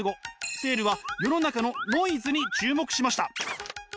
セールは世の中のノイズに注目しました。